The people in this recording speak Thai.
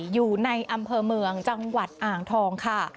อยู่ในอำเภอเมืองจังหวัดอ่างทองค่ะ